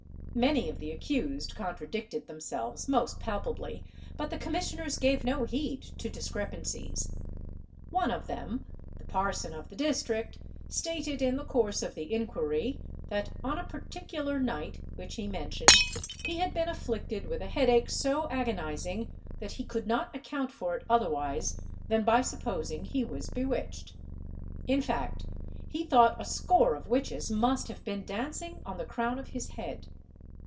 Many of the accused contradicted themselves most palpably; but the commissioners gave no heed to discrepancies. One of them, the parson of the district, stated in the course of the inquiry, that on a particular night, which he mentioned, he had been afflicted with a headache so agonising, that he could not account for it otherwise than by supposing he was bewitched. In fact, he thought a score of witches must have been dancing on the crown of his head.